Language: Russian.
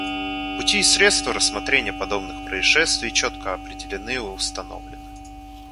Пути и средства рассмотрения подобных происшествий четко определены и установлены.